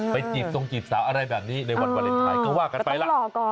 จีบทรงจีบสาวอะไรแบบนี้ในวันวาเลนไทยก็ว่ากันไปล่ะ